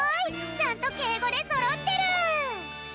ちゃんとけいごでそろってる！